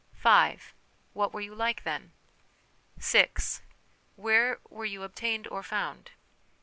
" 5. What were you like then ?" 6. Where were you obtained or found